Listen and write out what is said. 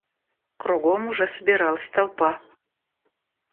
Кругом уже собиралась толпа.